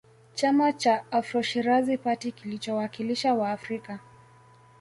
Chama cha AfroShirazi party kilichowakilisha Waafrika